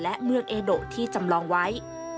และเมืองเอโดที่จำลองไว้